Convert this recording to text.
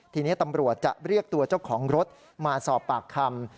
ทีนี้ตำรวจจะเรียกตัวเจ้าของรถมาสอบปากคำ